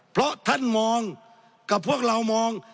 เพราะท่านมองกับพวกเรามอง